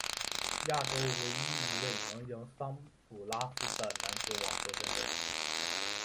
亚洲唯一一位能赢桑普拉斯的男子网球选手。